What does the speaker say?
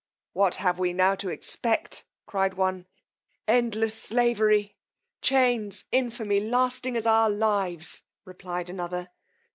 What have we now to expect? cried one, endless slavery: chains, infamy, lasting as our lives, replied another.